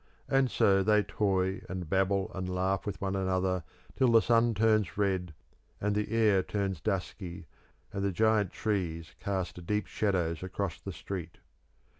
And so they toy and babble and laugh with one another till the sun turns red, and the air turns dusky, and the giant trees cast deep shadows across the street.